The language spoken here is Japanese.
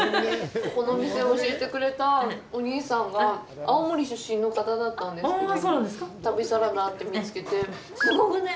ここのお店教えてくれたお兄ちゃんが青森出身の方だったんですけど、旅サラダって見つけて、すごぐねぇ？